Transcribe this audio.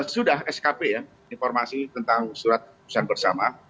sudah skp ya informasi tentang surat keputusan bersama